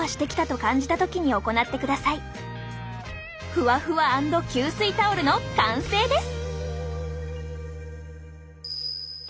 ふわふわ＆吸水タオルの完成です！